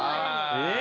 えっ？